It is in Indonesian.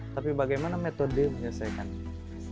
tapi bagaimana metode menyelesaikan itu